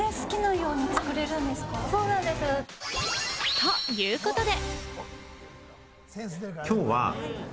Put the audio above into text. ということで。